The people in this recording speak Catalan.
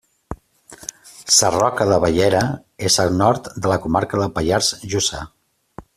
Sarroca de Bellera és al nord de la comarca del Pallars Jussà.